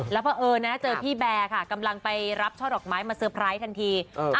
แล้วเพราะเอิญนะเจอพี่แบร์ค่ะกำลังไปรับช่อดอกไม้มาเซอร์ไพรส์ทันที